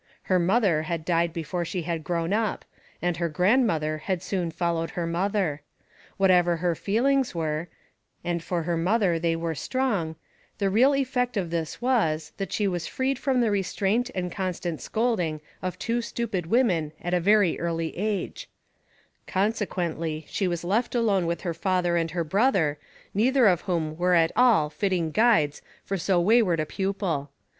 Her mother had died before she had grown up, and her grandmother had soon followed her mother. Whatever her feelings were, and for her mother they were strong, the real effect of this was, that she was freed from the restraint and constant scolding of two stupid women at a very early age; consequently she was left alone with her father and her brother, neither of whom were at all fitting guides for so wayward a pupil.